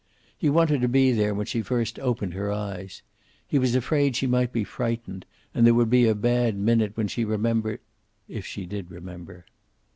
He wanted to be there when she first opened her eyes. He was afraid she might be frightened, and there would be a bad minute when she remembered if she did remember.